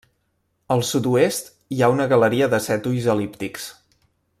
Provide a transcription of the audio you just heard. Al sud-oest, hi ha una galeria de set ulls el·líptics.